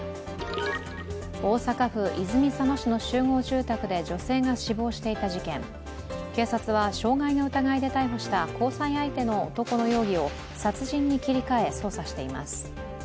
大阪府泉佐野市の集合住宅で女性が死亡していた事件、警察は傷害の疑いで逮捕した交際相手の男の容疑を殺人に切り替え、捜査しています。